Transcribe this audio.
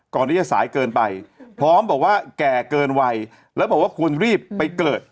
สายเกินไปพร้อมบอกว่าแก่เกินวัยแล้วบอกว่าควรรีบไปเกิด